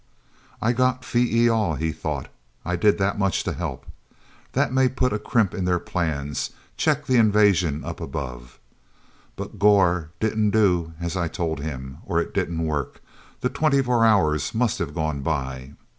"I got Phee e al," he thought. "I did that much to help. That may put a crimp in their plans, check the invasion up above. But Gor didn't do as I told him, or it didn't work. The twenty four hours must have gone by."